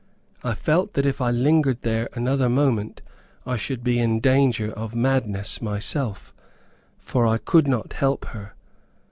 I felt that if I lingered there another moment I should be in danger of madness myself; for I could not help her.